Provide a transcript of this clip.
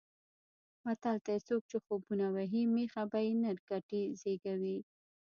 متل دی: څوک چې خوبونه وهي مېښه به یې نر کټي زېږوي.